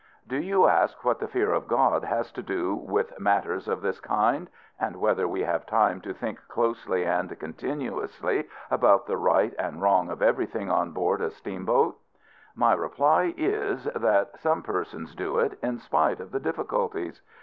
Do you ask what the fear of God has to do with matters of this kind? and whether we have time to think closely and continuously about the right and wrong of everything, on board a steamboat? My reply is, that some persons do it, in spite of the difficulties.